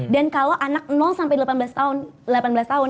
dan kalau anak sampai delapan belas tahun